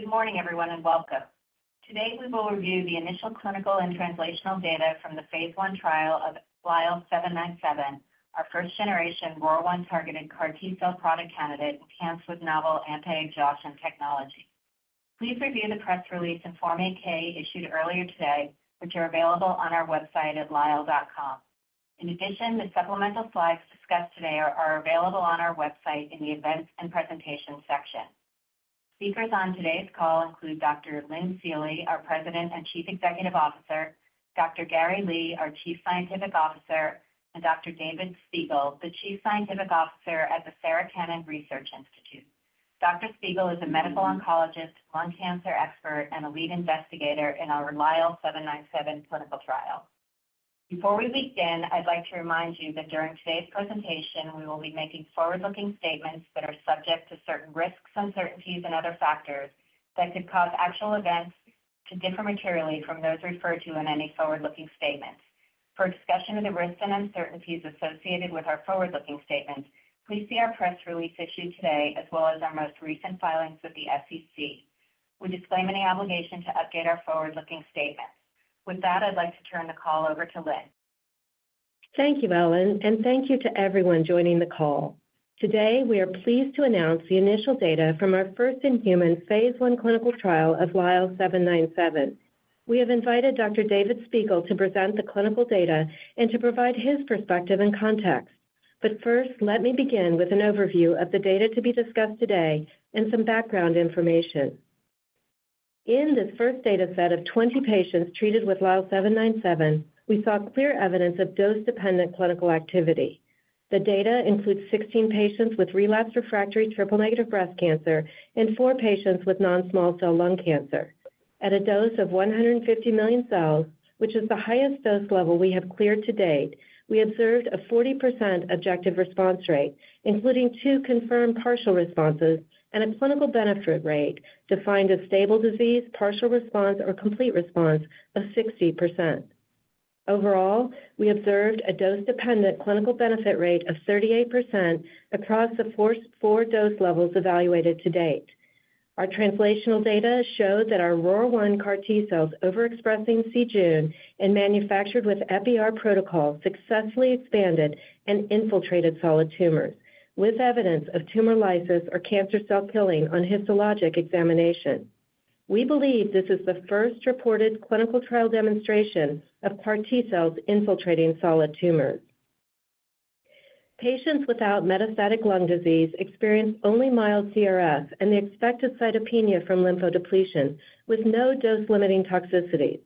Good morning, everyone, and welcome. Today, we will review the initial clinical and translational data from the phase I trial of LYL797, our first-generation ROR1-targeted CAR T-cell product candidate, enhanced with novel anti-exhaustion technology. Please review the press release and Form 8-K issued earlier today, which are available on our website at lyell.com. In addition, the supplemental slides discussed today are available on our website in the Events and Presentations section. Speakers on today's call include Dr. Lynn Seely, our President and Chief Executive Officer; Dr. Gary Lee, our Chief Scientific Officer; and Dr. David Spigel, the Chief Scientific Officer at the Sarah Cannon Research Institute. Dr. Spigel is a medical oncologist, lung cancer expert, and a lead investigator in our LYL797 clinical trial. Before we begin, I'd like to remind you that during today's presentation, we will be making forward-looking statements that are subject to certain risks, uncertainties and other factors that could cause actual events to differ materially from those referred to in any forward-looking statements. For a discussion of the risks and uncertainties associated with our forward-looking statements, please see our press release issued today, as well as our most recent filings with the SEC. We disclaim any obligation to update our forward-looking statements. With that, I'd like to turn the call over to Lynn. Thank you, Ellen, and thank you to everyone joining the call. Today, we are pleased to announce the initial data from our first-in-human phase I clinical trial of LYL797. We have invited Dr. David R. Spigel to present the clinical data and to provide his perspective and context. But first, let me begin with an overview of the data to be discussed today and some background information. In this first data set of 20 patients treated with LYL797, we saw clear evidence of dose-dependent clinical activity. The data includes 16 patients with relapsed refractory triple-negative breast cancer and four patients with non-small cell lung cancer. At a dose of 150 million cells, which is the highest dose level we have cleared to date, we observed a 40% objective response rate, including two confirmed partial responses and a clinical benefit rate, defined as stable disease, partial response, or complete response of 60%. Overall, we observed a dose-dependent clinical benefit rate of 38% across the four dose levels evaluated to date. Our translational data showed that our ROR1 CAR T-cells overexpressing c-Jun and manufactured with Epi-R protocol successfully expanded and infiltrated solid tumors, with evidence of tumor lysis or cancer cell killing on histologic examination. We believe this is the first reported clinical trial demonstration of CAR T-cells infiltrating solid tumors. Patients without metastatic lung disease experienced only mild CRS and the expected cytopenia from lymphodepletion, with no dose-limiting toxicities.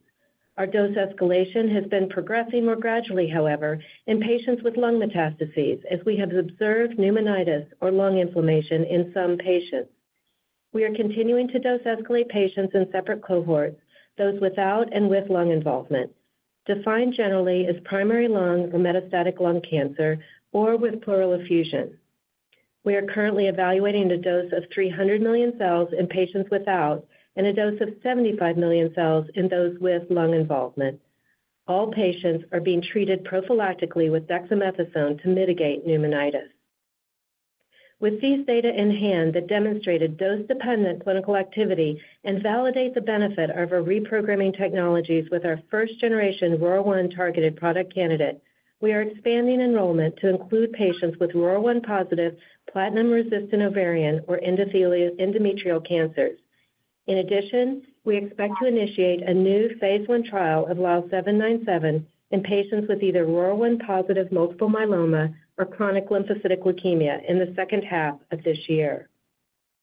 Our dose escalation has been progressing more gradually, however, in patients with lung metastases, as we have observed pneumonitis or lung inflammation in some patients. We are continuing to dose escalate patients in separate cohorts, those without and with lung involvement, defined generally as primary lung or metastatic lung cancer or with pleural effusion. We are currently evaluating the dose of 300 million cells in patients without and a dose of 75 million cells in those with lung involvement. All patients are being treated prophylactically with dexamethasone to mitigate pneumonitis. With these data in hand that demonstrated dose-dependent clinical activity and validate the benefit of our reprogramming technologies with our first-generation ROR1 targeted product candidate, we are expanding enrollment to include patients with ROR1+, platinum-resistant ovarian or endometrial cancers. In addition, we expect to initiate a new phase I trial of LYL797 in patients with either ROR1+ multiple myeloma or chronic lymphocytic leukemia in the second half of this year.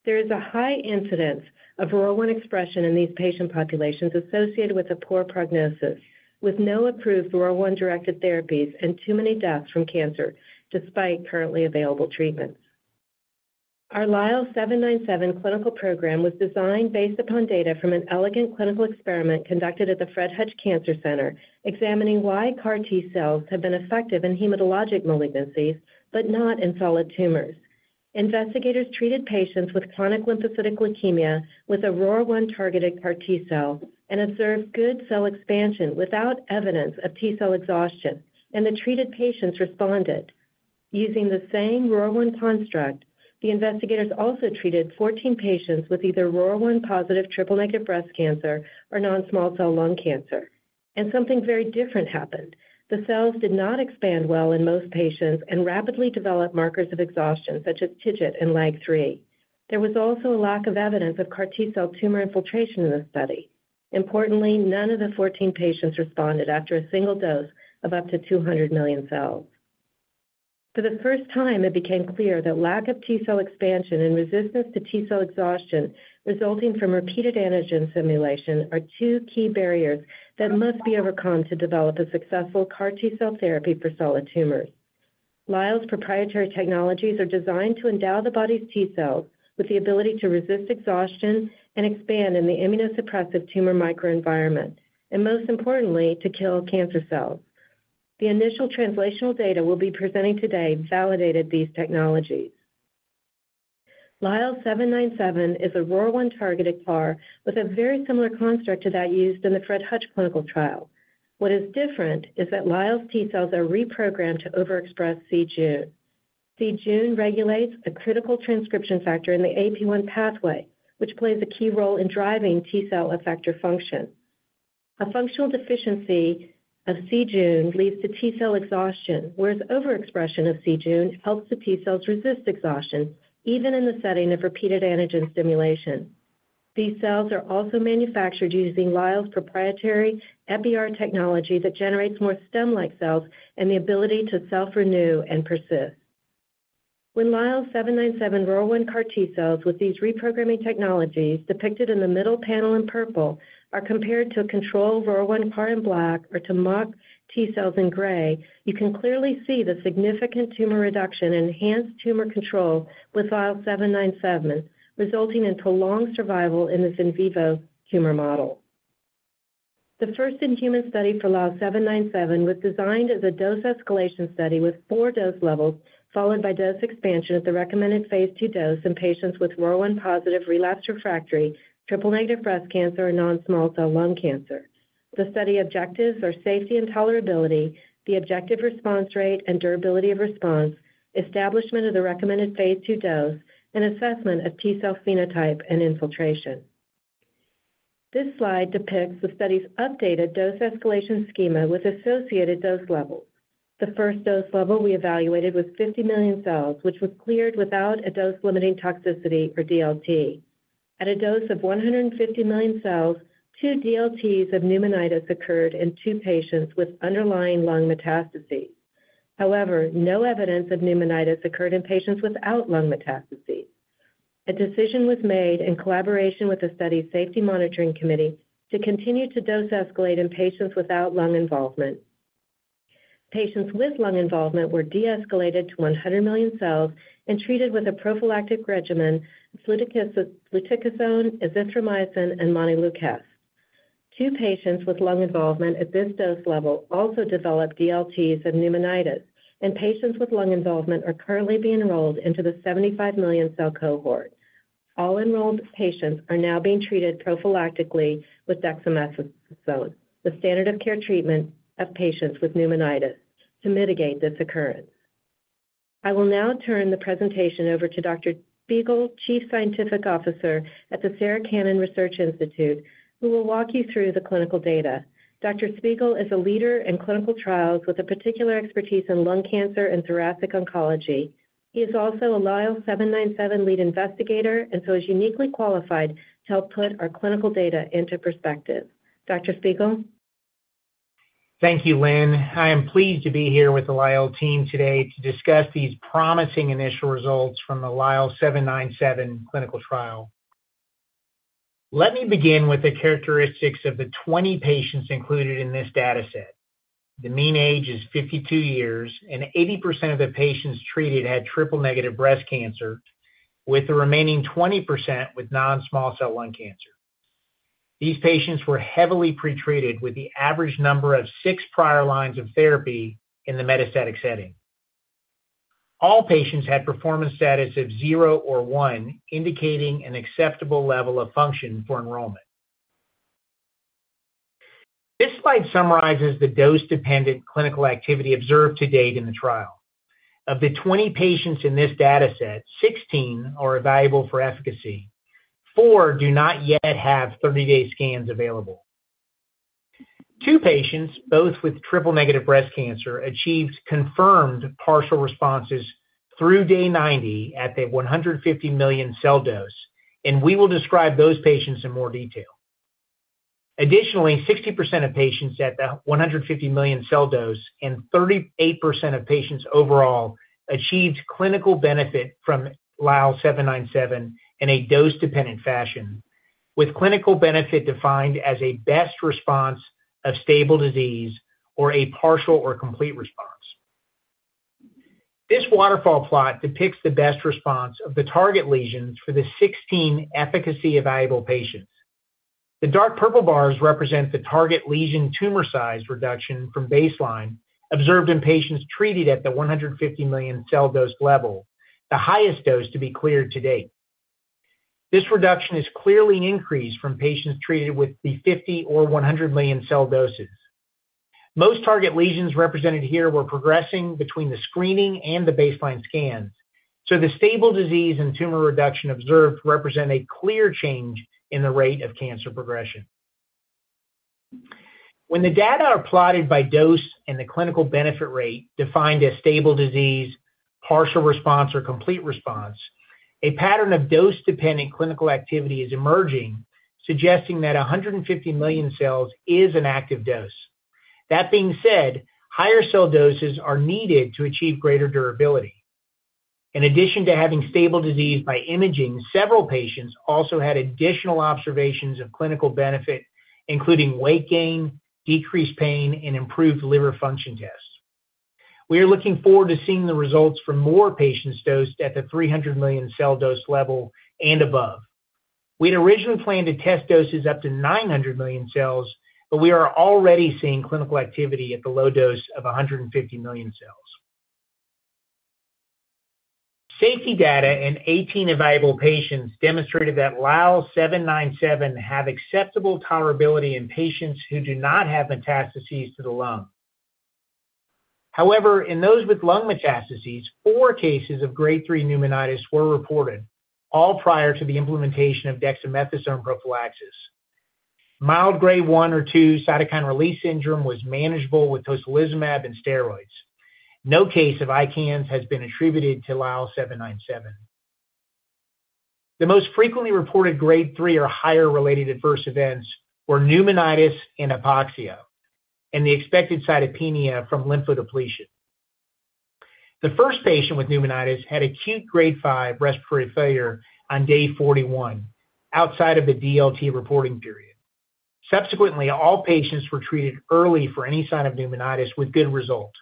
There is a high incidence of ROR1 expression in these patient populations associated with a poor prognosis, with no approved ROR1-directed therapies and too many deaths from cancer, despite currently available treatments. Our LYL797 clinical program was designed based upon data from an elegant clinical experiment conducted at the Fred Hutchinson Cancer Center, examining why CAR T-cells have been effective in hematologic malignancies, but not in solid tumors. Investigators treated patients with chronic lymphocytic leukemia with a ROR1-targeted CAR T-cell and observed good cell expansion without evidence of T-cell exhaustion, and the treated patients responded. Using the same ROR1 construct, the investigators also treated 14 patients with either ROR1+ triple-negative breast cancer or non-small cell lung cancer, and something very different happened. The cells did not expand well in most patients and rapidly developed markers of exhaustion, such as TIGIT and LAG-3. There was also a lack of evidence of CAR T-cell tumor infiltration in the study. Importantly, none of the 14 patients responded after a single dose of up to 200 million cells. For the first time, it became clear that lack of T-cell expansion and resistance to T-cell exhaustion, resulting from repeated antigen stimulation, are two key barriers that must be overcome to develop a successful CAR T-cell therapy for solid tumors. Lyell's proprietary technologies are designed to endow the body's T-cells with the ability to resist exhaustion and expand in the immunosuppressive tumor microenvironment, and most importantly, to kill cancer cells. The initial translational data we'll be presenting today validated these technologies. LYL797 is a ROR1-targeted CAR with a very similar construct to that used in the Fred Hutch clinical trial. What is different is that Lyell's T-cells are reprogrammed to overexpress c-Jun. c-Jun regulates a critical transcription factor in the AP-1 pathway, which plays a key role in driving T-cell effector function. A functional deficiency of c-Jun leads to T-cell exhaustion, whereas overexpression of c-Jun helps the T cells resist exhaustion, even in the setting of repeated antigen stimulation. These cells are also manufactured using Lyell's proprietary Epi-R technology that generates more stem-like cells and the ability to self-renew and persist. When LYL797 ROR1 CAR T cells with these reprogramming technologies, depicted in the middle panel in purple, are compared to a control ROR1 CAR in black or to mock T cells in gray, you can clearly see the significant tumor reduction and enhanced tumor control with LYL797, resulting in prolonged survival in this in vivo tumor model. The first in-human study for LYL797 was designed as a dose escalation study with four dose levels, followed by dose expansion at the recommended phase II dose in patients with ROR1+, relapsed refractory, triple-negative breast cancer or non-small cell lung cancer. The study objectives are safety and tolerability, the objective response rate and durability of response, establishment of the recommended phase II dose, and assessment of T cell phenotype and infiltration. This slide depicts the study's updated dose escalation schema with associated dose levels. The first dose level we evaluated was 50 million cells, which was cleared without a dose-limiting toxicity or DLT. At a dose of 150 million cells, two DLTs of pneumonitis occurred in two patients with underlying lung metastases. However, no evidence of pneumonitis occurred in patients without lung metastases. A decision was made in collaboration with the study's safety monitoring committee to continue to dose escalate in patients without lung involvement. Patients with lung involvement were de-escalated to 100 million cells and treated with a prophylactic regimen of fluticasone, azithromycin, and montelukast. Two patients with lung involvement at this dose level also developed DLTs and pneumonitis, and patients with lung involvement are currently being enrolled into the 75 million cell cohort. All enrolled patients are now being treated prophylactically with dexamethasone, the standard of care treatment of patients with pneumonitis, to mitigate this occurrence. I will now turn the presentation over to Dr. Spigel, Chief Scientific Officer at the Sarah Cannon Research Institute, who will walk you through the clinical data. Dr. Spigel is a leader in clinical trials with a particular expertise in lung cancer and thoracic oncology. He is also a LYL797 lead investigator and so is uniquely qualified to help put our clinical data into perspective. Dr. Spigel? Thank you, Lynn. I am pleased to be here with the Lyell team today to discuss these promising initial results from the LYL797 clinical trial. Let me begin with the characteristics of the 20 patients included in this data set. The mean age is 52 years, and 80% of the patients treated had triple-negative breast cancer, with the remaining 20% with non-small cell lung cancer. These patients were heavily pretreated, with the average number of 6 prior lines of therapy in the metastatic setting. All patients had performance status of 0 or one, indicating an acceptable level of function for enrollment. This slide summarizes the dose-dependent clinical activity observed to date in the trial. Of the 20 patients in this data set, 16 are valuable for efficacy. Four do not yet have 30-day scans available. Two patients, both with triple-negative breast cancer, achieved confirmed partial responses through day 90 at the 150 million cell dose, and we will describe those patients in more detail. Additionally, 60% of patients at the 150 million cell dose and 38% of patients overall achieved clinical benefit from LYL797 in a dose-dependent fashion, with clinical benefit defined as a best response of stable disease or a partial or complete response. This waterfall plot depicts the best response of the target lesions for the 16 efficacy-evaluable patients. The dark purple bars represent the target lesion tumor size reduction from baseline observed in patients treated at the 150 million cell dose level, the highest dose to be cleared to date. This reduction is clearly increased from patients treated with the 50 or 100 million cell doses. Most target lesions represented here were progressing between the screening and the baseline scans, so the stable disease and tumor reduction observed represent a clear change in the rate of cancer progression. When the data are plotted by dose and the clinical benefit rate, defined as stable disease, partial response, or complete response, a pattern of dose-dependent clinical activity is emerging, suggesting that 150 million cells is an active dose. That being said, higher cell doses are needed to achieve greater durability. In addition to having stable disease by imaging, several patients also had additional observations of clinical benefit, including weight gain, decreased pain, and improved liver function tests. We are looking forward to seeing the results from more patients dosed at the 300 million cell dose level and above. We had originally planned to test doses up to 900 million cells, but we are already seeing clinical activity at the low dose of 150 million cells. Safety data in 18 evaluable patients demonstrated that LYL797 have acceptable tolerability in patients who do not have metastases to the lung. However, in those with lung metastases, 4 cases of grade 3 pneumonitis were reported, all prior to the implementation of dexamethasone prophylaxis. Mild grade 1 or 2 cytokine release syndrome was manageable with tocilizumab and steroids. No case of ICANS has been attributed to LYL797. The most frequently reported grade 3 or higher related adverse events were pneumonitis and hypoxia, and the expected cytopenia from lymphodepletion. The first patient with pneumonitis had acute grade 5 respiratory failure on day 41, outside of the DLT reporting period. Subsequently, all patients were treated early for any sign of pneumonitis with good results.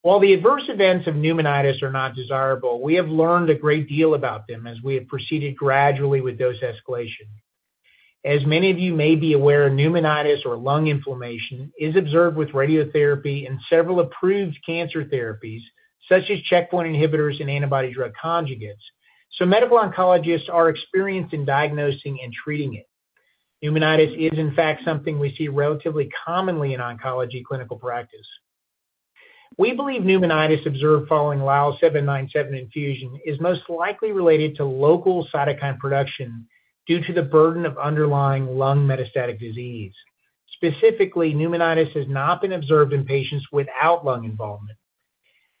While the adverse events of pneumonitis are not desirable, we have learned a great deal about them as we have proceeded gradually with dose escalation. As many of you may be aware, pneumonitis, or lung inflammation, is observed with radiotherapy and several approved cancer therapies, such as checkpoint inhibitors and antibody drug conjugates, so medical oncologists are experienced in diagnosing and treating it. Pneumonitis is, in fact, something we see relatively commonly in oncology clinical practice. We believe pneumonitis observed following LYL797 infusion is most likely related to local cytokine production due to the burden of underlying lung metastatic disease. Specifically, pneumonitis has not been observed in patients without lung involvement.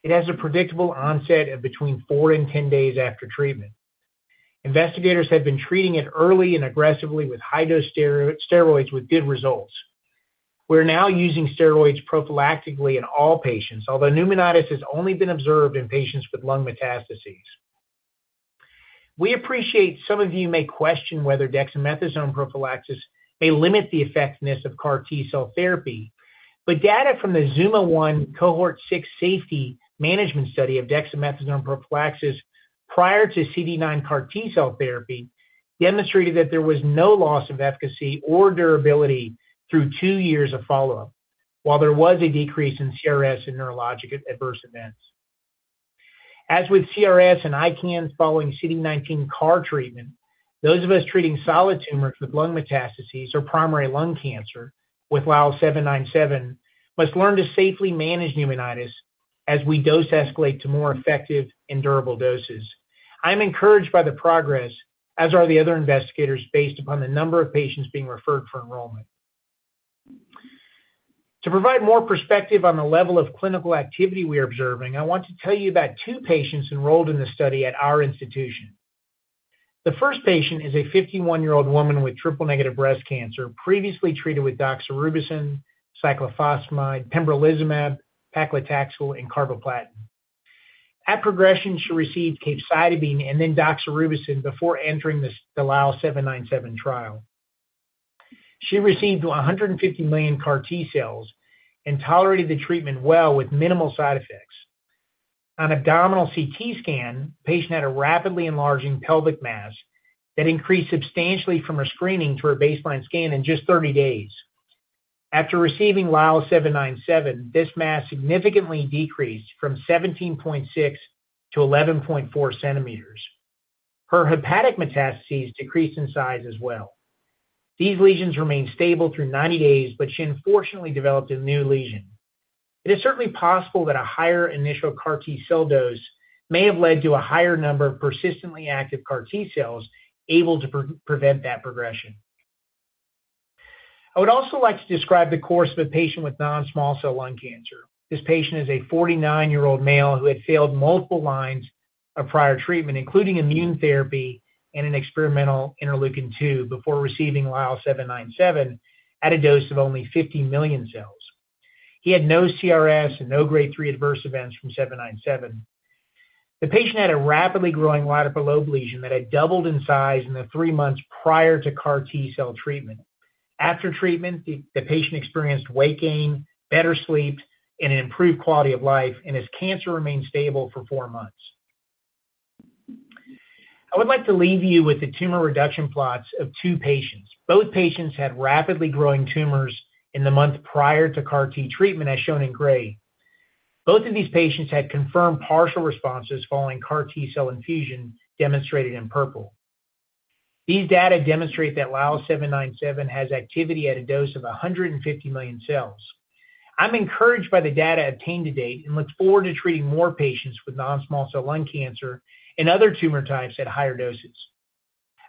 It has a predictable onset of between four and 10 days after treatment. Investigators have been treating it early and aggressively with high-dose steroids with good results. We're now using steroids prophylactically in all patients, although pneumonitis has only been observed in patients with lung metastases. We appreciate some of you may question whether dexamethasone prophylaxis may limit the effectiveness of CAR T cell therapy, but data from the ZUMA-1 cohort 6 safety management study of dexamethasone prophylaxis prior to CD19 CAR T cell therapy demonstrated that there was no loss of efficacy or durability through two years of follow-up, while there was a decrease in CRS and neurologic adverse events. As with CRS and ICANS following CD19 CAR treatment, those of us treating solid tumors with lung metastases or primary lung cancer with LYL797 must learn to safely manage pneumonitis as we dose escalate to more effective and durable doses. I'm encouraged by the progress, as are the other investigators, based upon the number of patients being referred for enrollment. To provide more perspective on the level of clinical activity we are observing, I want to tell you about two patients enrolled in the study at our institution. The first patient is a 51-year-old woman with triple-negative breast cancer, previously treated with doxorubicin, cyclophosphamide, pembrolizumab, paclitaxel, and carboplatin. At progression, she received capecitabine and then doxorubicin before entering the LYL797 trial. She received 150 million CAR T cells and tolerated the treatment well with minimal side effects. On abdominal CT scan, the patient had a rapidly enlarging pelvic mass that increased substantially from her screening to her baseline scan in just 30 days. After receiving LYL797, this mass significantly decreased from 17.6 to 11.4 centimeters. Her hepatic metastases decreased in size as well. These lesions remained stable through 90 days, but she unfortunately developed a new lesion. It is certainly possible that a higher initial CAR T-cell dose may have led to a higher number of persistently active CAR T-cells able to prevent that progression. I would also like to describe the course of a patient with non-small cell lung cancer. This patient is a 49-year-old male who had failed multiple lines of prior treatment, including immune therapy and an experimental interleukin-2, before receiving LYL797 at a dose of only 50 million cells. He had no CRS and no grade 3 adverse events from LYL797. The patient had a rapidly growing right upper lobe lesion that had doubled in size in the three months prior to CAR T-cell treatment. After treatment, the patient experienced weight gain, better sleep, and an improved quality of life, and his cancer remained stable for four months. I would like to leave you with the tumor reduction plots of two patients. Both patients had rapidly growing tumors in the month prior to CAR T treatment, as shown in gray. Both of these patients had confirmed partial responses following CAR T cell infusion, demonstrated in purple. These data demonstrate that LYL797 has activity at a dose of 150 million cells. I'm encouraged by the data obtained to date and look forward to treating more patients with non-small cell lung cancer and other tumor types at higher doses.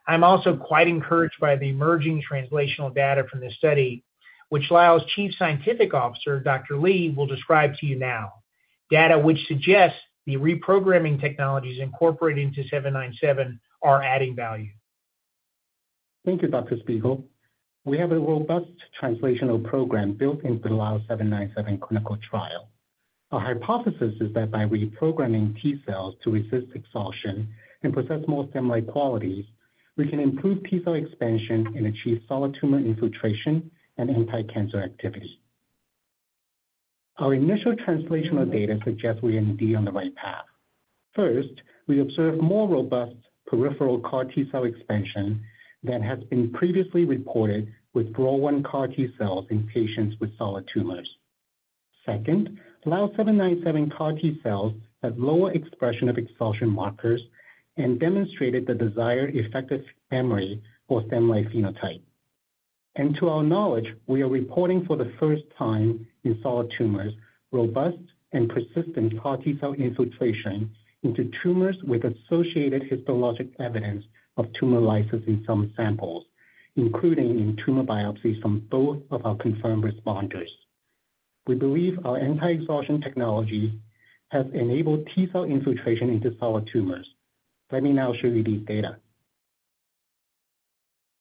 I'm also quite encouraged by the emerging translational data from this study, which Lyell's Chief Scientific Officer, Dr. Lee, will describe to you now. Data which suggests the reprogramming technologies incorporated into 797 are adding value. Thank you, Dr. Spigel. We have a robust translational program built into the LYL797 clinical trial. Our hypothesis is that by reprogramming T cells to resist exhaustion and possess more similar qualities, we can improve T cell expansion and achieve solid tumor infiltration and anticancer activity. Our initial translational data suggests we are indeed on the right path. First, we observed more robust peripheral CAR T-cell expansion than has been previously reported with ROR1 CAR T-cells in patients with solid tumors. Second, LYL797 CAR T-cells had lower expression of exhaustion markers and demonstrated the desired effective memory or stem-like phenotype. And to our knowledge, we are reporting for the first time in solid tumors, robust and persistent CAR T-cell infiltration into tumors with associated histologic evidence of tumor lysis in some samples, including in tumor biopsies from both of our confirmed responders. We believe our anti-exhaustion technology has enabled T-cell infiltration into solid tumors. Let me now show you these data.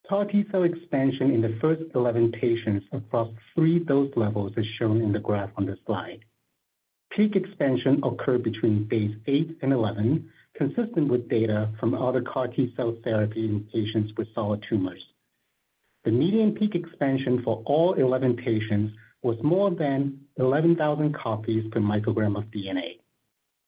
CAR T-cell expansion in the first 11 patients across three dose levels is shown in the graph on the slide. Peak expansion occurred between days eight and 11, consistent with data from other CAR T-cell therapy in patients with solid tumors. The median peak expansion for all 11 patients was more than 11,000 copies per microgram of DNA.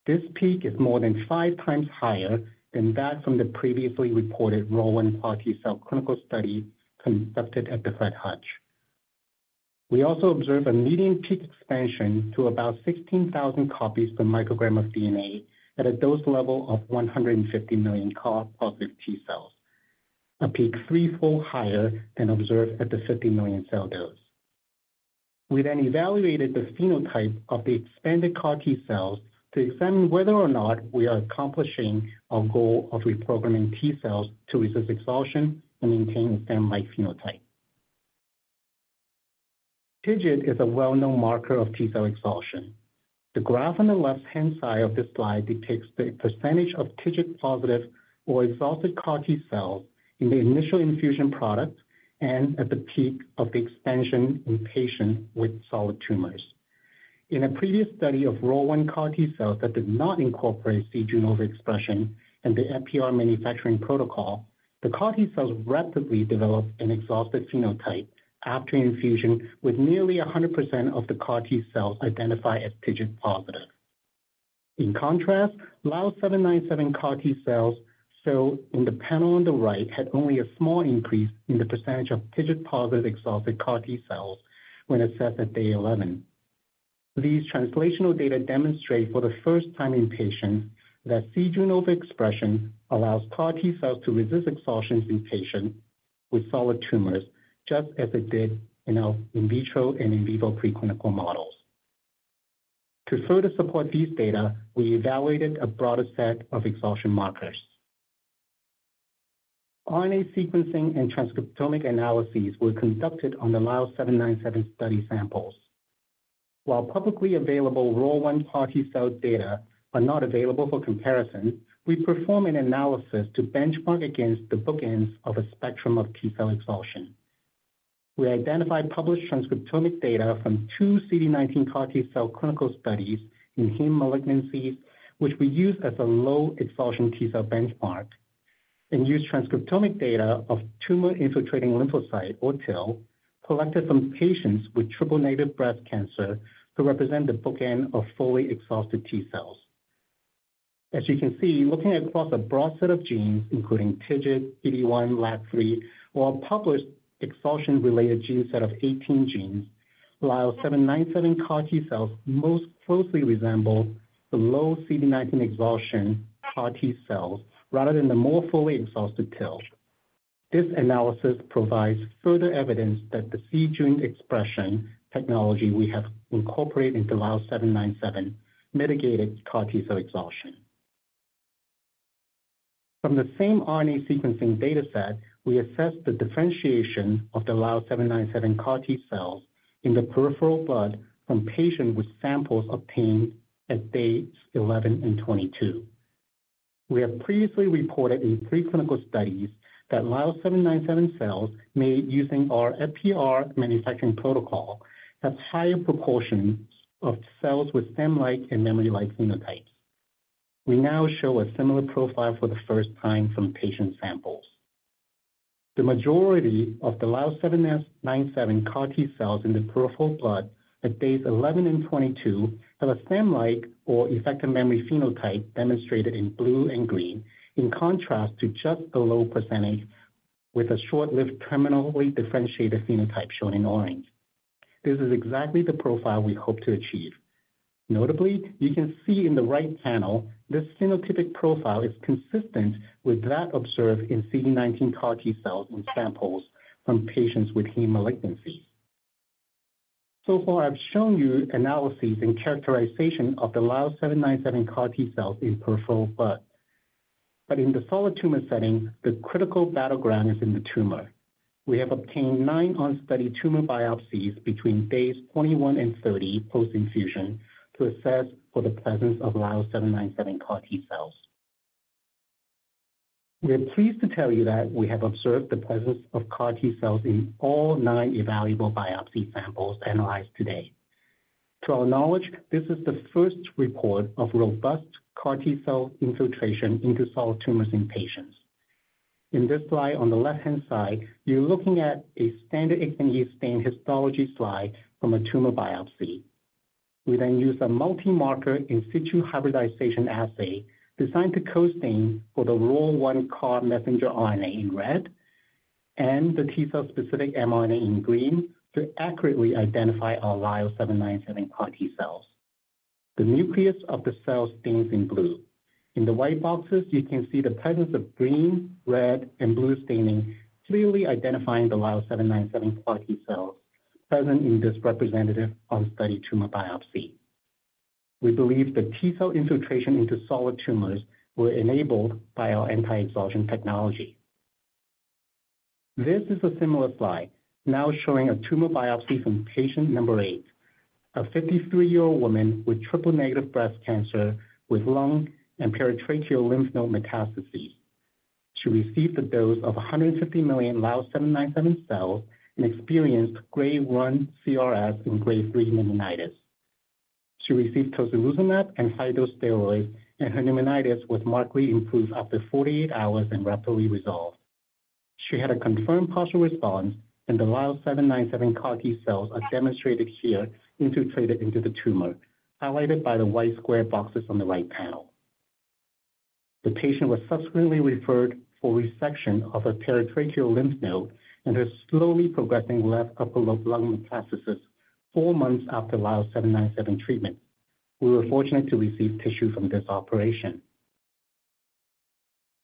This peak is more than 5 times higher than that from the previously reported ROR1 CAR T-cell clinical study conducted at the Fred Hutch. We also observed a median peak expansion to about 16,000 copies per microgram of DNA at a dose level of 150 million CAR positive T-cells, a peak threefold higher than observed at the 50 million cell dose. We then evaluated the phenotype of the expanded CAR T-cells to examine whether or not we are accomplishing our goal of reprogramming T-cells to resist exhaustion and maintain a stem-like phenotype. TIGIT is a well-known marker of T-cell exhaustion. The graph on the left-hand side of this slide depicts the percentage of TIGIT-positive or exhausted CAR T-cells in the initial infusion product and at the peak of the expansion in patients with solid tumors. In a previous study of ROR1 CAR T-cells that did not incorporate c-Jun expression and the Epi-R manufacturing protocol, the CAR T-cells rapidly developed an exhausted phenotype after infusion, with nearly 100% of the CAR T-cells identified as TIGIT-positive. In contrast, LYL797 CAR T-cells, shown in the panel on the right, had only a small increase in the percentage of TIGIT-positive exhausted CAR T-cells when assessed at day 11. These translational data demonstrate for the first time in patients, that c-Jun overexpression allows CAR T-cells to resist exhaustion in patients with solid tumors, just as it did in our in vitro and in vivo preclinical models. To further support these data, we evaluated a broader set of exhaustion markers. RNA sequencing and transcriptomic analyses were conducted on the LYL797 study samples. While publicly available ROR1 CAR T-cell data are not available for comparison, we perform an analysis to benchmark against the bookends of a spectrum of T-cell exhaustion. We identified published transcriptomic data from two CD19 CAR T-cell clinical studies in hematologic malignancies, which we use as a low exhaustion T-cell benchmark, and use transcriptomic data of Tumor-Infiltrating Lymphocyte, or TIL, collected from patients with triple-negative breast cancer to represent the bookend of fully exhausted T-cells. As you can see, looking across a broad set of genes, including TIGIT, PD-1, LAG-3, or a published exhaustion-related gene set of 18 genes, LYL797 CAR T-cells most closely resemble the low CD19 exhaustion CAR T-cells, rather than the more fully exhausted TIL. This analysis provides further evidence that the c-Jun expression technology we have incorporated into LYL797 mitigated CAR T-cell exhaustion. From the same RNA sequencing data set, we assessed the differentiation of the LYL797 CAR T-cells in the peripheral blood from patients with samples obtained at days 11 and 22. We have previously reported in pre-clinical studies that LYL797 cells made using our Epi-R manufacturing protocol, have higher proportions of cells with stem-like and memory-like phenotypes. We now show a similar profile for the first time from patient samples. The majority of the LYL797 CAR T-cells in the peripheral blood at days 11 and 22 have a stem-like or effector memory phenotype demonstrated in blue and green, in contrast to just the low percentage with a short-lived, terminally differentiated phenotype, shown in orange. This is exactly the profile we hope to achieve. Notably, you can see in the right panel, this phenotypic profile is consistent with that observed in CD19 CAR T-cells in samples from patients with hematologic malignancy. So far, I've shown you analyses and characterization of the LYL797 CAR T-cells in peripheral blood. But in the solid tumor setting, the critical battleground is in the tumor. We have obtained nine on-study tumor biopsies between days 21 and 30 post-infusion to assess for the presence of LYL797 CAR T-cells. We are pleased to tell you that we have observed the presence of CAR T-cells in all nine evaluable biopsy samples analyzed today. To our knowledge, this is the first report of robust CAR T-cell infiltration into solid tumors in patients. In this slide, on the left-hand side, you're looking at a standard H&E stain histology slide from a tumor biopsy. We then use a multi-marker in situ hybridization assay designed to co-stain for the ROR1 CAR messenger RNA in red and the T-cell specific mRNA in green, to accurately identify our LYL797 CAR T cells. The nucleus of the cell stains in blue. In the white boxes, you can see the presence of green, red, and blue staining, clearly identifying the LYL797 CAR T cells present in this representative on study tumor biopsy. We believe the T-cell infiltration into solid tumors were enabled by our anti-exhaustion technology. This is a similar slide, now showing a tumor biopsy from patient number eight, a 53-year-old woman with triple-negative breast cancer with lung and peritracheal lymph node metastases. She received a dose of 150 million LYL797 cells and experienced grade 1 CRS and grade 3 pneumonitis. She received tocilizumab and high-dose steroids, and her pneumonitis was markedly improved after 48 hours and rapidly resolved. She had a confirmed partial response, and the LYL797 CAR T cells are demonstrated here, infiltrated into the tumor, highlighted by the white square boxes on the right panel. The patient was subsequently referred for resection of her peritracheal lymph node and her slowly progressing left upper lobe lung metastasis four months after LYL797 treatment. We were fortunate to receive tissue from this operation.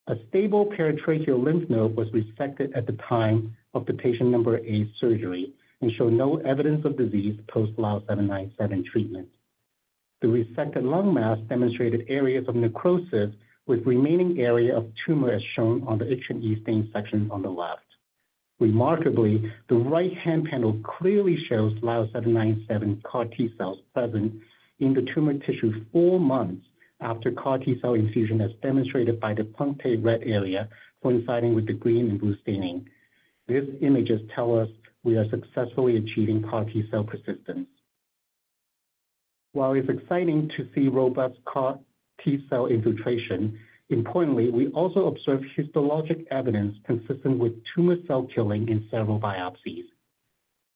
A stable peritracheal lymph node was resected at the time of the patient number eight surgery and showed no evidence of disease post-LYL797 treatment. The resected lung mass demonstrated areas of necrosis, with remaining area of tumor, as shown on the H&E stain section on the left. Remarkably, the right-hand panel clearly shows LYL797 CAR T cells present in the tumor tissue four months after CAR T-cell infusion, as demonstrated by the punctate red area coinciding with the green and blue staining. These images tell us we are successfully achieving CAR T-cell persistence. While it's exciting to see robust CAR T-cell infiltration, importantly, we also observe histologic evidence consistent with tumor cell killing in several biopsies.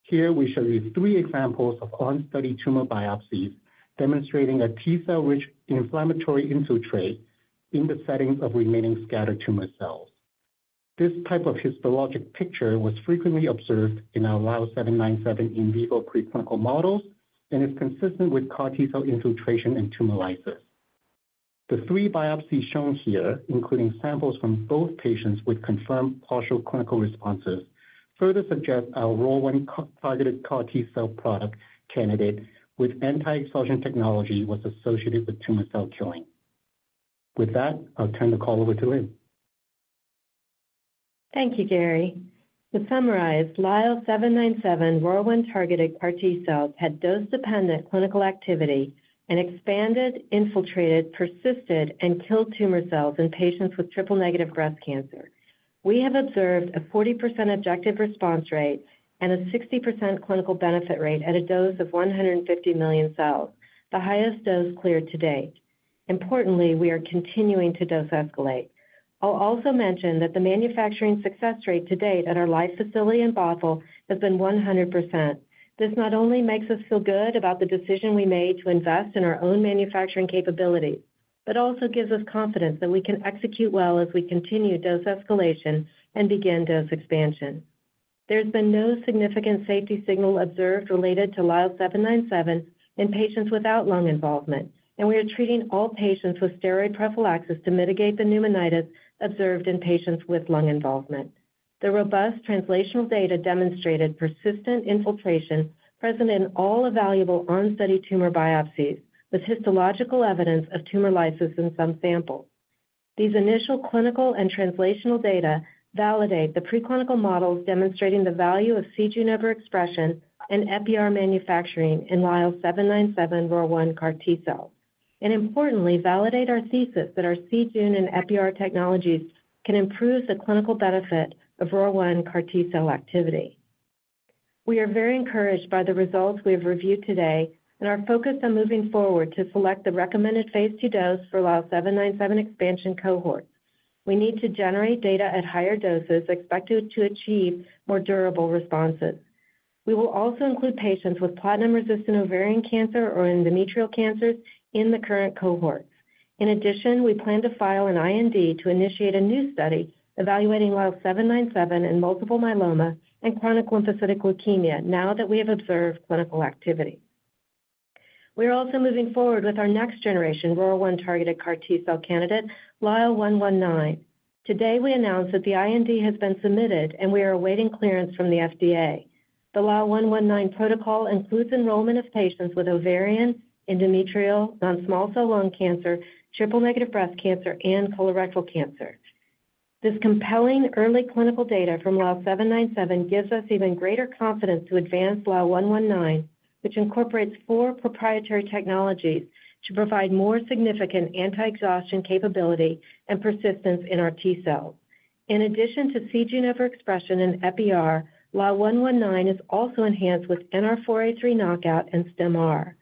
Here, we show you three examples of on-study tumor biopsies demonstrating a T-cell-rich inflammatory infiltrate in the settings of remaining scattered tumor cells. This type of histologic picture was frequently observed in our LYL797 in vivo preclinical models and is consistent with CAR T-cell infiltration and tumor lysis. The three biopsies shown here, including samples from both patients with confirmed partial clinical responses, further suggest our ROR1-targeted CAR T-cell product candidate with anti-exhaustion technology, was associated with tumor cell killing. With that, I'll turn the call over to Lynn. Thank you, Gary. To summarize, LYL797 ROR1-targeted CAR T-cells had dose-dependent clinical activity and expanded, infiltrated, persisted, and killed tumor cells in patients with triple-negative breast cancer. We have observed a 40% objective response rate and a 60% clinical benefit rate at a dose of 150 million cells, the highest dose cleared to date. Importantly, we are continuing to dose escalate. I'll also mention that the manufacturing success rate to date at our Lyell facility in Bothell has been 100%. This not only makes us feel good about the decision we made to invest in our own manufacturing capability, but also gives us confidence that we can execute well as we continue dose escalation and begin dose expansion. There's been no significant safety signal observed related to LYL797 in patients without lung involvement, and we are treating all patients with steroid prophylaxis to mitigate the pneumonitis observed in patients with lung involvement. The robust translational data demonstrated persistent infiltration present in all evaluable on-study tumor biopsies, with histological evidence of tumor lysis in some samples. These initial clinical and translational data validate the preclinical models demonstrating the value of c-Jun overexpression and Epi-R manufacturing in LYL797 ROR1 CAR T-cell, and importantly, validate our thesis that our c-Jun and Epi-R technologies can improve the clinical benefit of ROR1 CAR T-cell activity. We are very encouraged by the results we have reviewed today and are focused on moving forward to select the recommended phase II dose for LYL797 expansion cohorts. We need to generate data at higher doses expected to achieve more durable responses. We will also include patients with platinum-resistant ovarian cancer or endometrial cancers in the current cohorts. In addition, we plan to file an IND to initiate a new study evaluating LYL797 in multiple myeloma and chronic lymphocytic leukemia now that we have observed clinical activity. We are also moving forward with our next generation ROR1-targeted CAR T-cell candidate, LYL119. Today, we announced that the IND has been submitted, and we are awaiting clearance from the FDA. The LYL119 protocol includes enrollment of patients with ovarian, endometrial, non-small cell lung cancer, triple-negative breast cancer, and colorectal cancer. This compelling early clinical data from LYL797 gives us even greater confidence to advance LYL119, which incorporates four proprietary technologies to provide more significant anti-exhaustion capability and persistence in our T-cell. In addition to c-Jun overexpression and Epi-R, LYL119 is also enhanced with NR4A3 knockout and Stim-R.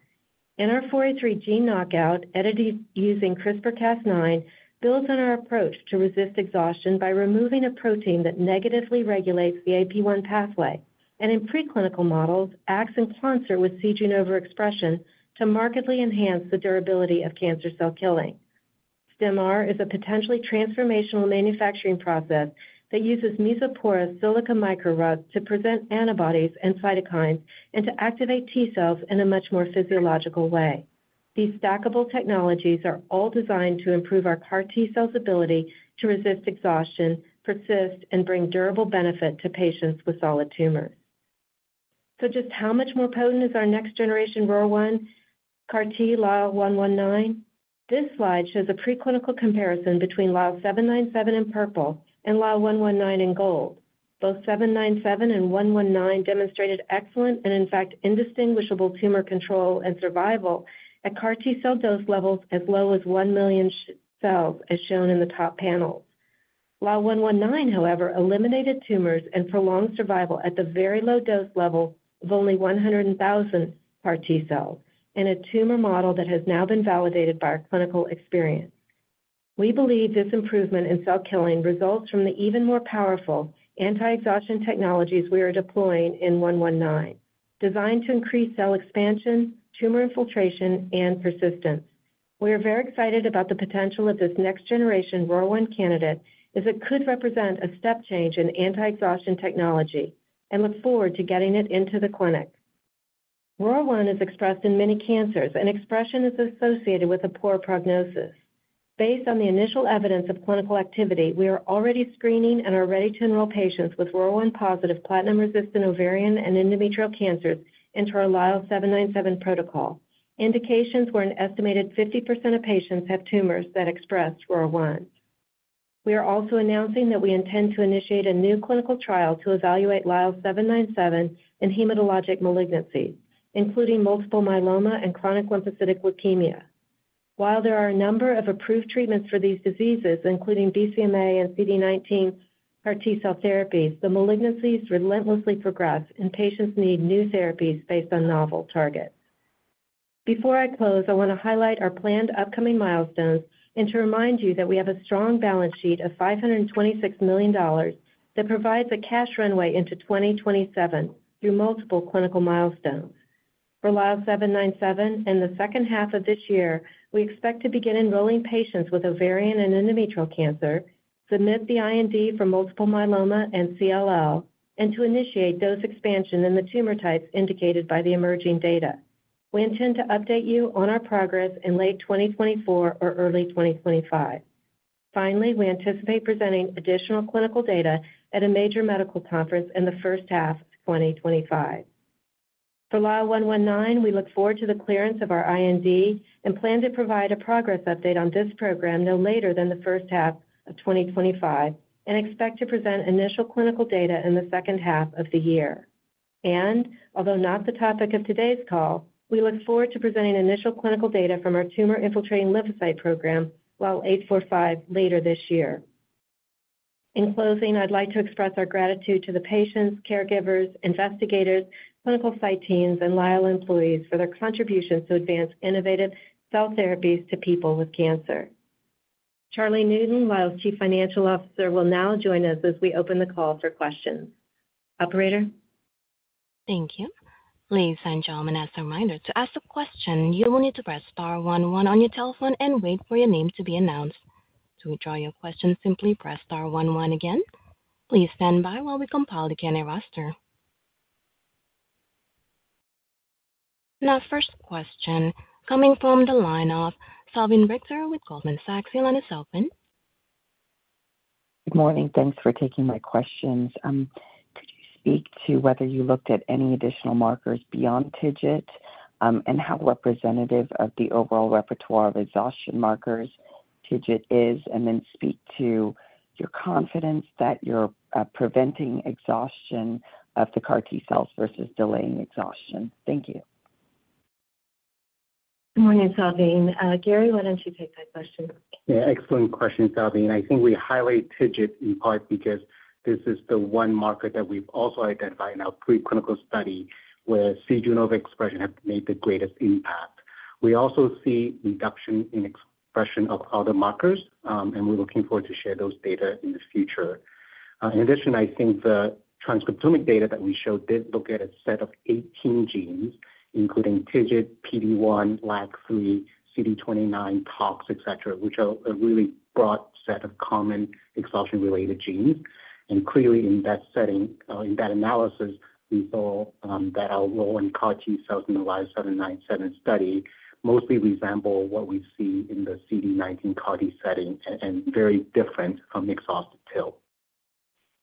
NR4A3 gene knockout, edited using CRISPR/Cas9, builds on our approach to resist exhaustion by removing a protein that negatively regulates the AP-1 pathway, and in preclinical models, acts in concert with c-Jun overexpression to markedly enhance the durability of cancer cell killing. Stim-R is a potentially transformational manufacturing process that uses mesoporous silica microrods to present antibodies and cytokines, and to activate T cells in a much more physiological way. These stackable technologies are all designed to improve our CAR T cells' ability to resist exhaustion, persist, and bring durable benefit to patients with solid tumors. So just how much more potent is our next generation ROR1 CAR T, LYL119? This slide shows a preclinical comparison between LYL797 in purple and LYL119 in gold. Both LYL797 and LYL119 demonstrated excellent, and in fact, indistinguishable tumor control and survival at CAR T cell dose levels as low as 1 million CAR T cells, as shown in the top panels. LYL119, however, eliminated tumors and prolonged survival at the very low dose level of only 100,000 CAR T cells in a tumor model that has now been validated by our clinical experience. We believe this improvement in cell killing results from the even more powerful anti-exhaustion technologies we are deploying in LYL119, designed to increase cell expansion, tumor infiltration, and persistence. We are very excited about the potential of this next generation ROR1 candidate, as it could represent a step change in anti-exhaustion technology, and look forward to getting it into the clinic. ROR1 is expressed in many cancers, and expression is associated with a poor prognosis. Based on the initial evidence of clinical activity, we are already screening and are ready to enroll patients with ROR1+, platinum-resistant ovarian and endometrial cancers into our LYL797 protocol, indications where an estimated 50% of patients have tumors that express ROR1. We are also announcing that we intend to initiate a new clinical trial to evaluate LYL797 in hematologic malignancies, including multiple myeloma and chronic lymphocytic leukemia. While there are a number of approved treatments for these diseases, including BCMA and CD19 CAR T-cell therapies, the malignancies relentlessly progress, and patients need new therapies based on novel targets. Before I close, I want to highlight our planned upcoming milestones and to remind you that we have a strong balance sheet of $526 million that provides a cash runway into 2027 through multiple clinical milestones. For LYL797, in the second half of this year, we expect to begin enrolling patients with ovarian and endometrial cancer, submit the IND for multiple myeloma and CLL, and to initiate dose expansion in the tumor types indicated by the emerging data. We intend to update you on our progress in late 2024 or early 2025. Finally, we anticipate presenting additional clinical data at a major medical conference in the first half of 2025. For LYL119, we look forward to the clearance of our IND and plan to provide a progress update on this program no later than the first half of 2025, and expect to present initial clinical data in the second half of the year. And although not the topic of today's call, we look forward to presenting initial clinical data from our tumor-infiltrating lymphocyte program, LYL845, later this year. In closing, I'd like to express our gratitude to the patients, caregivers, investigators, clinical site teams and Lyell employees for their contributions to advance innovative cell therapies to people with cancer. Charlie Newton, Lyell's Chief Financial Officer, will now join us as we open the call for questions. Operator? Thank you. Ladies and gentlemen, as a reminder, to ask a question, you will need to press star one one on your telephone and wait for your name to be announced. To withdraw your question, simply press star one one again. Please stand by while we compile the Q&A roster. Our first question coming from the line of Salveen Richter with Goldman Sachs. Your line is open. Good morning. Thanks for taking my questions. Could you speak to whether you looked at any additional markers beyond TIGIT, and how representative of the overall repertoire of exhaustion markers TIGIT is? And then speak to your confidence that you're preventing exhaustion of the CAR T cells versus delaying exhaustion. Thank you. Good morning, Salveen. Gary, why don't you take that question? Yeah, excellent question, Salveen. I think we highlight TIGIT in part because this is the one marker that we've also identified in our preclinical study, where c-Jun overexpression have made the greatest impact. We also see reduction in expression of other markers, and we're looking forward to share those data in the future. In addition, I think the transcriptomic data that we showed did look at a set of 18 genes, including TIGIT, PD-1, LAG-3, CD29, TOX, et cetera, which are a really broad set of common exhaustion-related genes. And clearly, in that setting, in that analysis, we saw that our ROR1 CAR T cells in the LYL797 study mostly resemble what we see in the CD19 CAR T setting and very different from exhausted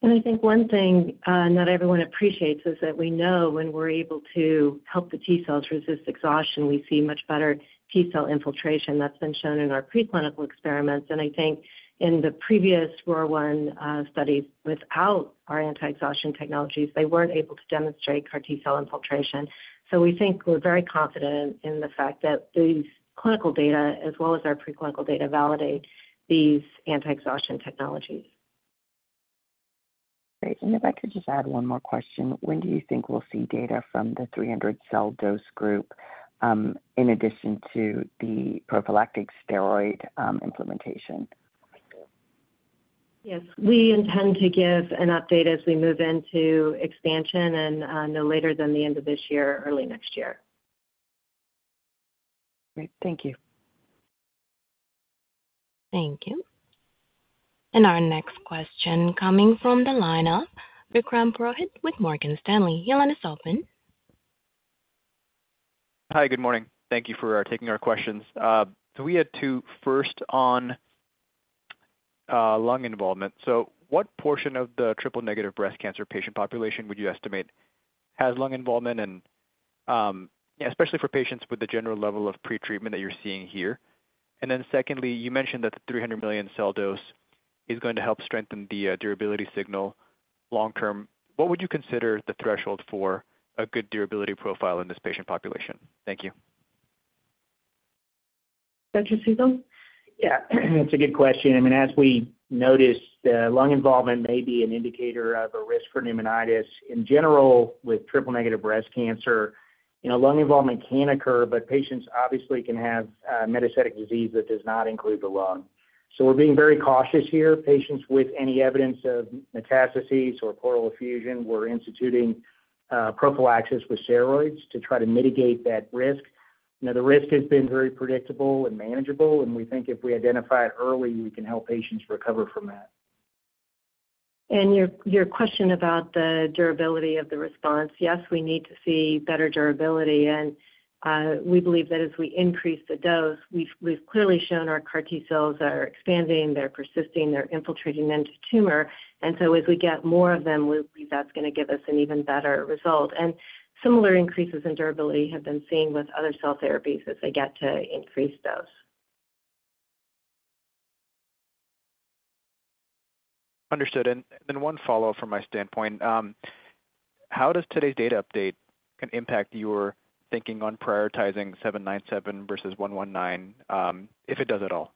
TIL. I think one thing, not everyone appreciates is that we know when we're able to help the T cells resist exhaustion, we see much better T-cell infiltration. That's been shown in our preclinical experiments, and I think in the previous ROR1 studies, without our anti-exhaustion technologies, they weren't able to demonstrate CAR T-cell infiltration. We think we're very confident in the fact that these clinical data, as well as our preclinical data, validate these anti-exhaustion technologies. Great. If I could just add one more question, when do you think we'll see data from the 300 cell dose group, in addition to the prophylactic steroid implementation? Yes, we intend to give an update as we move into expansion and, no later than the end of this year or early next year. Great. Thank you. Thank you. Our next question coming from the line of Vikram Purohit with Morgan Stanley. Your line is open. Hi, good morning. Thank you for taking our questions. So we had two, first on lung involvement. So what portion of the triple-negative breast cancer patient population would you estimate has lung involvement, and especially for patients with the general level of pretreatment that you're seeing here? And then secondly, you mentioned that the 300 million cell dose is going to help strengthen the durability signal long term. What would you consider the threshold for a good durability profile in this patient population? Thank you. Dr. Spigel? Yeah, that's a good question. I mean, as we noticed, lung involvement may be an indicator of a risk for pneumonitis. In general, with triple-negative breast cancer, you know, lung involvement can occur, but patients obviously can have metastatic disease that does not include the lung. So we're being very cautious here. Patients with any evidence of metastases or pleural effusion, we're instituting prophylaxis with steroids to try to mitigate that risk. Now, the risk has been very predictable and manageable, and we think if we identify it early, we can help patients recover from that. Your question about the durability of the response, yes, we need to see better durability, and we believe that as we increase the dose, we've clearly shown our CAR T cells are expanding, they're persisting, they're infiltrating into tumor. So as we get more of them, we believe that's going to give us an even better result. Similar increases in durability have been seen with other cell therapies as they get to increase dose. Understood. And one follow-up from my standpoint. How does today's data update kind of impact your thinking on prioritizing 797 versus 119, if it does at all?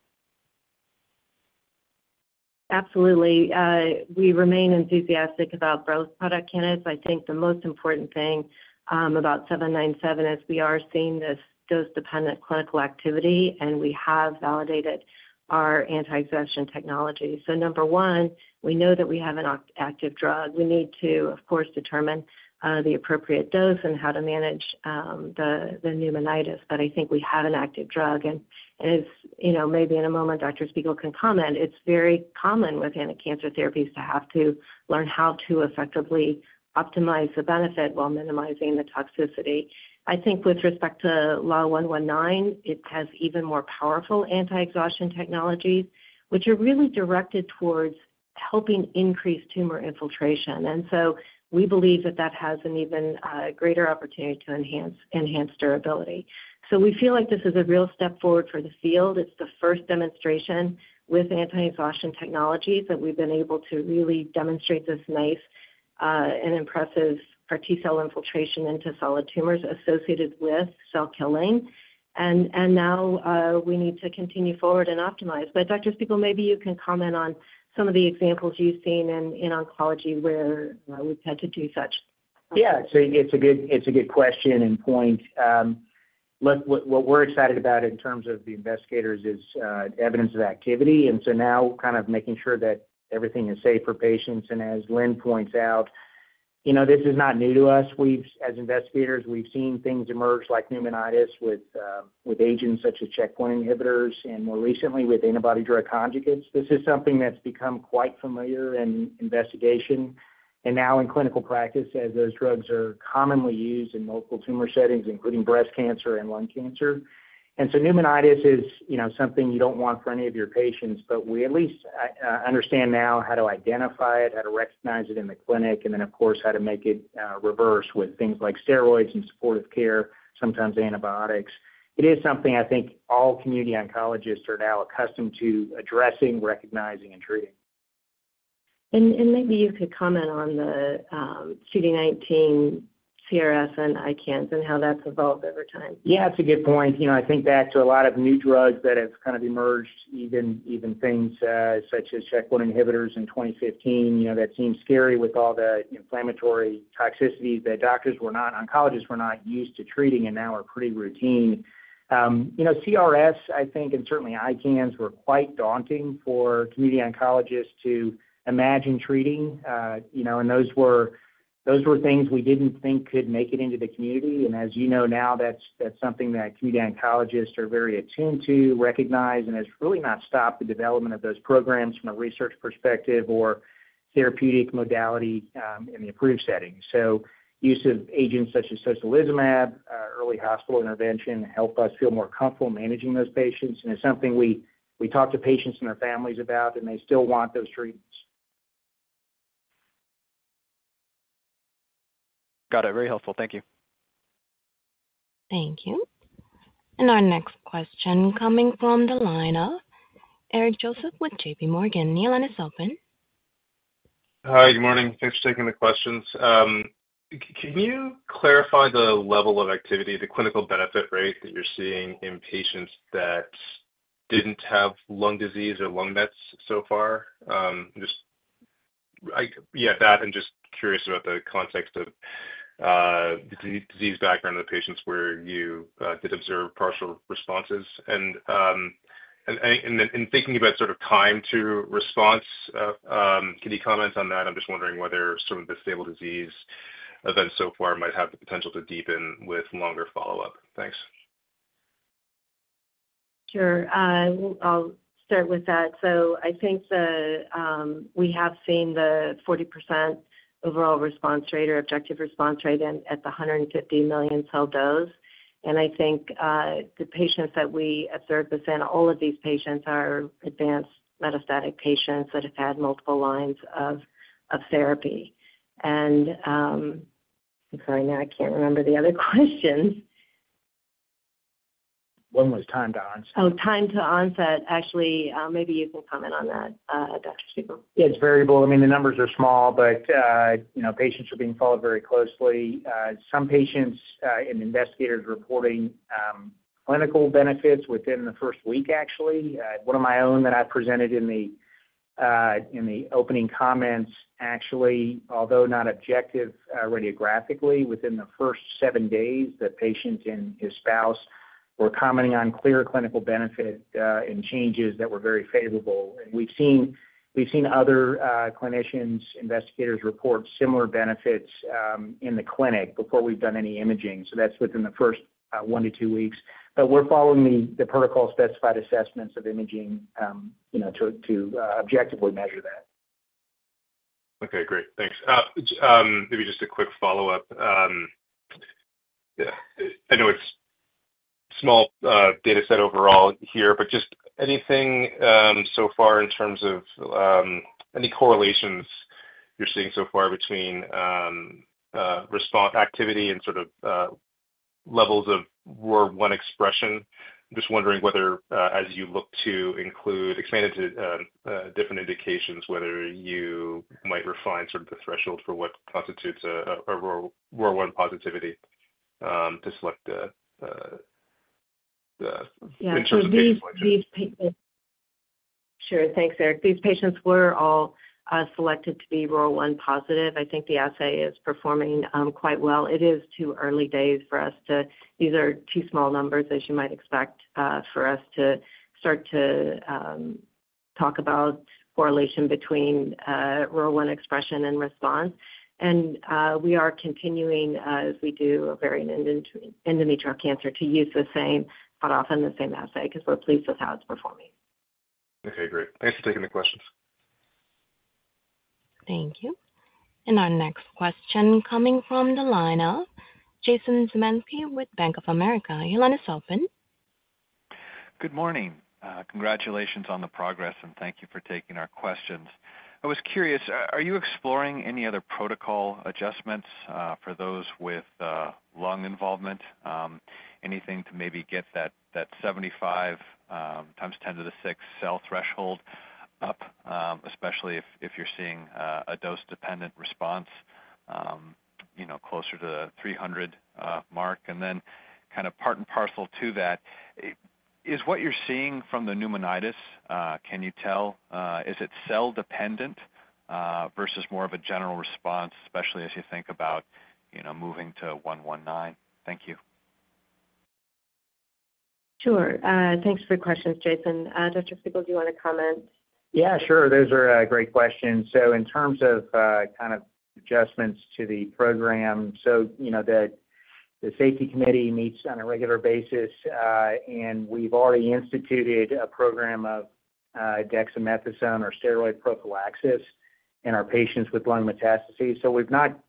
Absolutely. We remain enthusiastic about both product candidates. I think the most important thing about LYL797 is we are seeing this dose-dependent clinical activity, and we have validated our anti-exhaustion technology. So number one, we know that we have an active drug. We need to, of course, determine the appropriate dose and how to manage the pneumonitis, but I think we have an active drug. And, and as, you know, maybe in a moment, Dr. Spigel can comment, it's very common with anticancer therapies to have to learn how to effectively optimize the benefit while minimizing the toxicity. I think with respect to LYL119, it has even more powerful anti-exhaustion technologies, which are really directed towards helping increase tumor infiltration. And so we believe that that has an even greater opportunity to enhance durability. So we feel like this is a real step forward for the field. It's the first demonstration with anti-exhaustion technologies, that we've been able to really demonstrate this nice, and impressive CAR T-cell infiltration into solid tumors associated with cell killing. And now, we need to continue forward and optimize. But Dr. Spigel, maybe you can comment on some of the examples you've seen in oncology where, we've had to do such. Yeah, it's a, it's a good, it's a good question and point. Look, what we're excited about in terms of the investigators is evidence of activity, and so now kind of making sure that everything is safe for patients. And as Lynn points out, you know, this is not new to us. We've as investigators, we've seen things emerge like pneumonitis with agents such as checkpoint inhibitors and more recently with antibody drug conjugates. This is something that's become quite familiar in investigation and now in clinical practice, as those drugs are commonly used in multiple tumor settings, including breast cancer and lung cancer. Pneumonitis is, you know, something you don't want for any of your patients, but we at least understand now how to identify it, how to recognize it in the clinic, and then, of course, how to make it reverse with things like steroids and supportive care, sometimes antibiotics. It is something I think all community oncologists are now accustomed to addressing, recognizing, and treating. And maybe you could comment on the CD19 CRS and ICANS and how that's evolved over time. Yeah, that's a good point. You know, I think back to a lot of new drugs that have kind of emerged, even things such as checkpoint inhibitors in 2015. You know, that seemed scary with all the inflammatory toxicities that doctors were not oncologists were not used to treating and now are pretty routine. You know, CRS, I think, and certainly ICANS, were quite daunting for community oncologists to imagine treating. You know, and those were, those were things we didn't think could make it into the community. And as you know now, that's, that's something that community oncologists are very attuned to, recognize, and has really not stopped the development of those programs from a research perspective or therapeutic modality in the approved setting. So use of agents such as tocilizumab, early hospital intervention, help us feel more comfortable managing those patients. It's something we talk to patients and their families about, and they still want those treatments. Got it. Very helpful. Thank you. Thank you. Our next question coming from the line of Eric Joseph with JPMorgan. Your line is open. Hi, good morning. Thanks for taking the questions. Can you clarify the level of activity, the clinical benefit rate that you're seeing in patients that- Didn't have lung disease or lung mets so far? Just yeah, that, and just curious about the context of, the disease, disease background of the patients where you, did observe partial responses. And, and then in thinking about sort of time to response, can you comment on that? I'm just wondering whether some of the stable disease events so far might have the potential to deepen with longer follow-up. Thanks. Sure. I'll start with that. So I think the, we have seen the 40% overall response rate or objective response rate in, at the 150 million cell dose. And I think, the patients that we observed this in, all of these patients are advanced metastatic patients that have had multiple lines of therapy. And, I'm sorry, I can't remember the other question. One was time to onset. Oh, time to onset. Actually, maybe you can comment on that, Dr. Spigel. Yeah, it's variable. I mean, the numbers are small, but, you know, patients are being followed very closely. Some patients and investigators reporting clinical benefits within the first week, actually. One of my own that I presented in the opening comments, actually, although not objective, radiographically, within the first seven days, the patient and his spouse were commenting on clear clinical benefit and changes that were very favorable. And we've seen, we've seen other clinicians, investigators report similar benefits in the clinic before we've done any imaging. So that's within the first one to two weeks. But we're following the protocol-specified assessments of imaging, you know, to objectively measure that. Okay, great. Thanks. Maybe just a quick follow-up. I know it's small data set overall here, but just anything so far in terms of any correlations you're seeing so far between response activity and sort of levels of ROR1 expression? Just wondering whether as you look to include... expand into different indications, whether you might refine sort of the threshold for what constitutes a ROR1 positivity to select the the- Yeah. In terms of patient- Sure. Thanks, Eric. These patients were all selected to be ROR1 positive. I think the assay is performing quite well. It is too early days for us to... These are too small numbers, as you might expect, for us to start to talk about correlation between ROR1 expression and response. And we are continuing, as we do with ovarian and endometrial cancer, to use the same cutoff and the same assay, 'cause we're pleased with how it's performing. Okay, great. Thanks for taking the questions. Thank you. Our next question coming from the line of Jason Zemansky with Bank of America. Your line is open. Good morning. Congratulations on the progress, and thank you for taking our questions. I was curious, are you exploring any other protocol adjustments, for those with, lung involvement? Anything to maybe get that, that 75, times ten to the sixth cell threshold up, especially if, if you're seeing, a dose-dependent response, you know, closer to the 300, mark? And then kind of part and parcel to that, is what you're seeing from the pneumonitis, can you tell, is it cell dependent, versus more of a general response, especially as you think about, you know, moving to 119? Thank you. Sure. Thanks for the questions, Jason. Dr. Spigel, do you want to comment? Yeah, sure. Those are great questions. So in terms of kind of adjustments to the program, so you know, the safety committee meets on a regular basis, and we've already instituted a program of dexamethasone or steroid prophylaxis in our patients with lung metastases. So we've not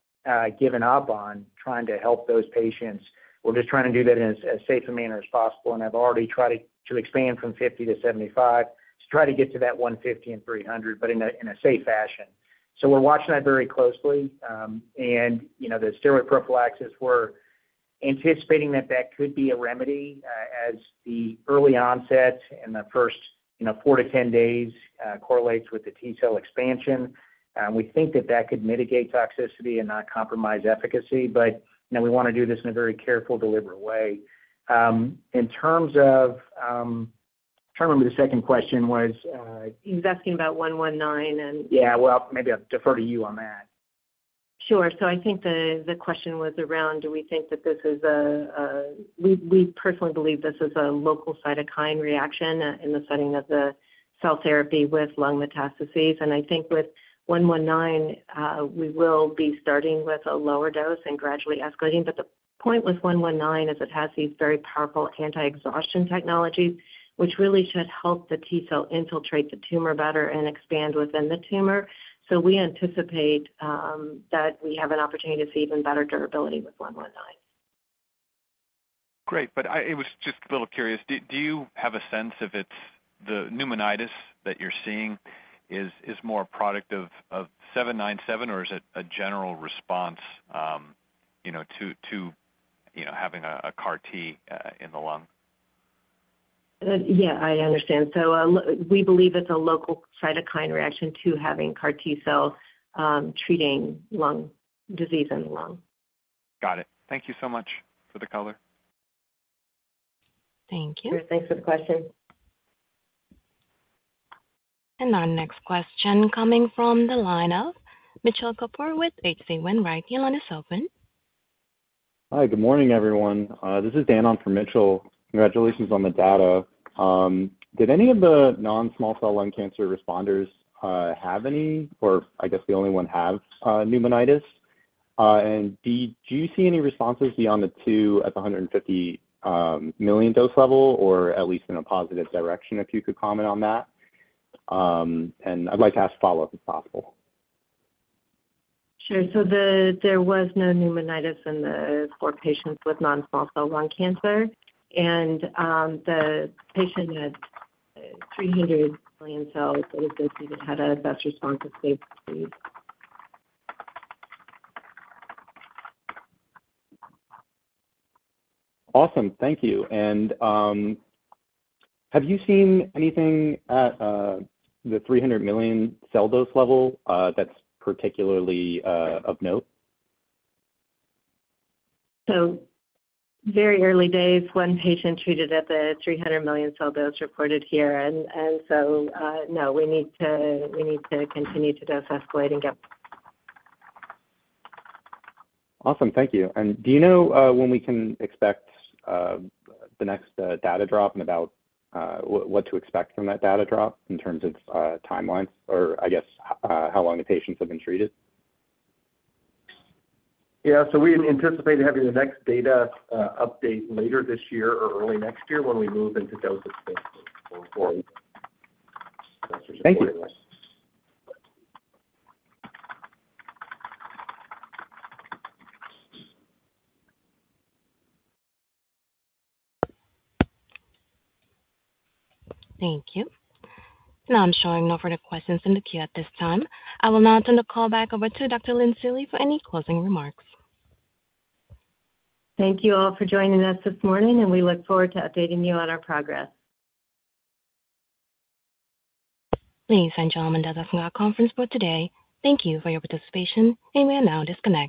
given up on trying to help those patients. We're just trying to do that in as safe a manner as possible, and I've already tried to expand from 50 to 75, to try to get to that 150 and 300, but in a safe fashion. So we're watching that very closely. And you know, the steroid prophylaxis, we're anticipating that that could be a remedy, as the early onset in the first four to 10 days correlates with the T-cell expansion. We think that that could mitigate toxicity and not compromise efficacy, but, you know, we want to do this in a very careful, deliberate way. In terms of trying to remember the second question was, He was asking about 119 and- Yeah, well, maybe I'll defer to you on that. Sure. So I think the question was around, do we think that this is a. We personally believe this is a local cytokine reaction in the setting of the cell therapy with lung metastases. And I think with 119, we will be starting with a lower dose and gradually escalating. But the point with 119 is it has these very powerful anti-exhaustion technologies, which really should help the T-cell infiltrate the tumor better and expand within the tumor. So we anticipate that we have an opportunity to see even better durability with 119. Great, but I was just a little curious. Do you have a sense if it's the pneumonitis that you're seeing is more a product of 797, or is it a general response, you know, to you know, having a CAR T in the lung? Yeah, I understand. So, we believe it's a local cytokine reaction to having CAR T cells treating lung disease in the lung. Got it. Thank you so much for the color. Thank you. Thanks for the question. Our next question coming from the line of Mitchell Kapoor with H.C. Wainwright. The line is open. Hi, good morning, everyone. This is Dan on for Mitchell. Congratulations on the data. Did any of the non-small cell lung cancer responders have any, or I guess the only one have, pneumonitis? And did you see any responses beyond the two at the 150 million dose level, or at least in a positive direction, if you could comment on that? And I'd like to ask follow-up, if possible. Sure. So there was no pneumonitis in the four patients with non-small cell lung cancer. The patient had 300 million cells that associated had a best response of stable disease. Awesome. Thank you. And have you seen anything at the 300 million cell dose level that's particularly of note? So very early days. One patient treated at the 300 million cell dose reported here. And so, no, we need to continue to dose escalate and get- Awesome. Thank you. And do you know when we can expect the next data drop and about what to expect from that data drop in terms of timelines, or I guess how long the patients have been treated? Yeah. So we anticipate having the next data update later this year or early next year when we move into dose expansion for- Thank you. Thank you. Now I'm showing no further questions in the queue at this time. I will now turn the call back over to Dr. Lynn Seely for any closing remarks. Thank you all for joining us this morning, and we look forward to updating you on our progress. Ladies and gentlemen, that is our conference for today. Thank you for your participation, and you may now disconnect.